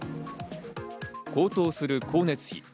高騰する光熱費。